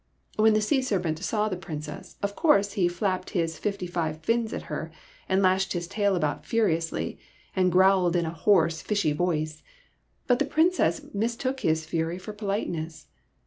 When the sea serpent saw the Princess, of course he flapped his fifty five fins at her, and lashed his tail about furiously, and growled in a hoarse, fishy voice. But the Princess mistook his fury for politeness.